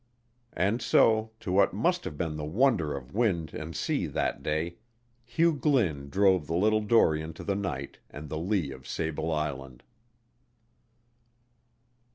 And so, to what must have been the wonder of wind and sea that day, Hugh Glynn drove the little dory into the night and the lee of Sable Island.